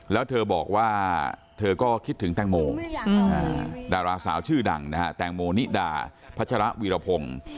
แล้วเธอบอกว่าเธอก็คิดถึงแตงโมดาราสาวชื่อดังนะฮะแตงโมนิดาพัชระวีรพงศ์